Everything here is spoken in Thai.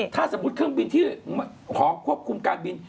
ถ้าสมมุติเครื่องบินที่หอควบคุมการบิน